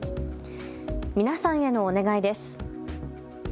皆さんへのお願いです。